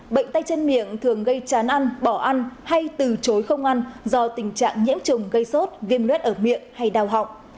bệnh tay chân miệng thường gây chán ăn bỏ ăn hay từ chối không ăn do tình trạng nhiễm trùng gây sốt viêm luet ở miệng hay đau họng